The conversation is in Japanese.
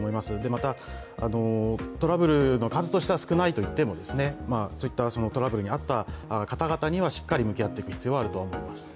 また、トラブルの数としては少ないといってもそういったトラブルに遭われた方にはしっかり向き合っていく必要はあると思います。